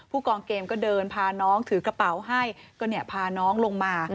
กองเกมก็เดินพาน้องถือกระเป๋าให้ก็เนี่ยพาน้องลงมา